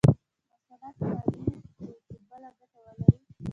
مسأله تعبیر کړو چې بل ګټه ولري.